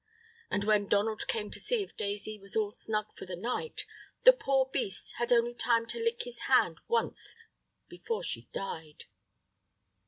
And when Donald came to see if Daisy was all snug for the night, the poor beast had only time to lick his hand once before she died.